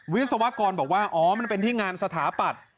วิศวกรบอกว่าอ๋อมันเป็นที่งานสถาปัตย์